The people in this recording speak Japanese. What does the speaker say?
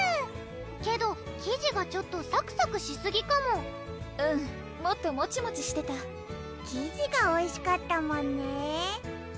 けど生地がちょっとサクサクしすぎかもうんもっとモチモチしてた生地がおいしかったもんね